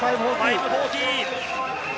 ５４０。